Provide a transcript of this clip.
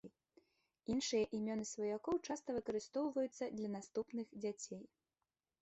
Іншыя імёны сваякоў часта выкарыстоўваюцца для наступных дзяцей.